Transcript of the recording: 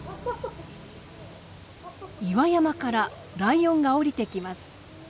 岩山からライオンが降りてきます。